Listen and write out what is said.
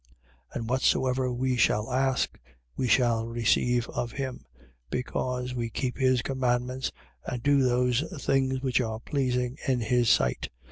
3:22. And whatsoever we shall ask, we shall receive of him: because we keep his commandments and do those things which are pleasing in his sight.